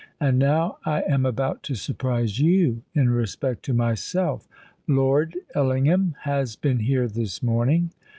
"And now I am about to surprise you in respect to myself. Lord Ellingham has been here this morning."